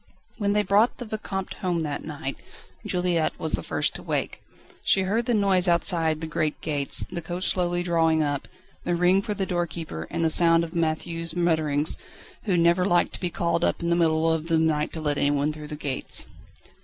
When they brought the Vicomte home that night, Juliette was the first to wake. She heard the noise outside the great gates, the coach slowly drawing up, the ring for the doorkeeper, and the sound of Matthieu's mutterings, who never liked to be called up in the middle of the night to let anyone through the gates.